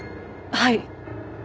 はい。